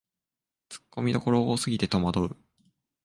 ツッコミどころ多すぎてとまどう